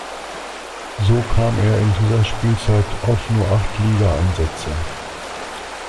So kam er in dieser Spielzeit auf nur acht Ligaeinsätze.